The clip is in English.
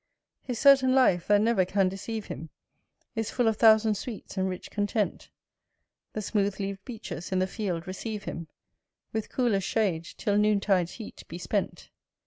His certain life, that never can deceive him, Is full of thousand sweets and rich content The smooth leav'd beeches in the field receive him, With coolest shade, till noon tide's heat be spent.